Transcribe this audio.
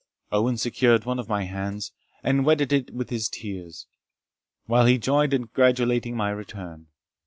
Owen secured one of my hands, and wetted it with his tears, while he joined in gratulating my return.